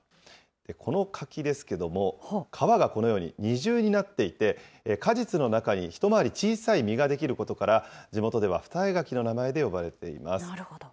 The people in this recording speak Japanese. この柿ですけども、皮がこのように二重になっていて、果実の中に一回り小さい実が出来ることから、地元では二重柿の名なるほど。